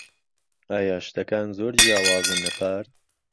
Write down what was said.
ئایا شتەکان زۆر جیاوازن لە پار؟